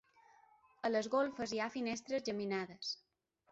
A les golfes hi ha finestres geminades.